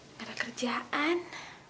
gak ada kerjaan